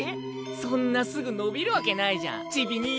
そんなすぐのびるわけないじゃんちびにい。